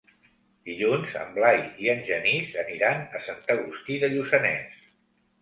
Dilluns en Blai i en Genís aniran a Sant Agustí de Lluçanès.